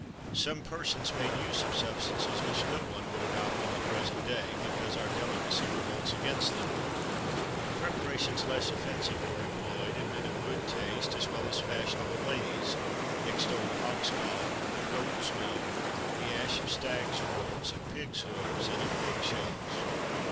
Some persons made use of substances which no one would adopt in the present day, because our delicacy revolts against them.[XXXV 6] But preparations less offensive were employed, and men of good taste, as well as fashionable ladies, extolled ox gall, goats' milk, the ash of stags' horns, of pigs' hoofs, and of egg shells.